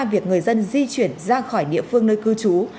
việc người dân di chuyển ra khỏi địa phương nơi cư trú